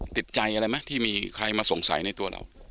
ติดใจอะไรไหมที่มีใครมาสงสัยในตัวเรา